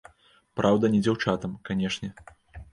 Праўда, не дзяўчатам, канечне.